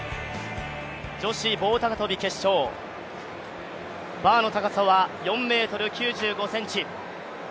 女子棒高跳決勝、バーの高さは４ｍ９５ｃｍ。